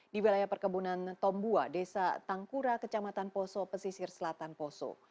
di wilayah perkebunan tombua desa tangkura kecamatan poso pesisir selatan poso